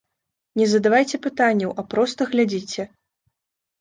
Не задавайце пытанняў, а проста глядзіце!